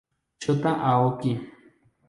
Shota Aoki